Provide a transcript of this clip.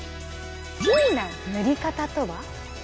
Ｔな塗り方とは？